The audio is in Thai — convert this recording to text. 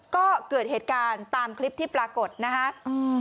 ก็เกิดเหตุการณ์ตามคลิปที่ปรากฏนะฮะอืม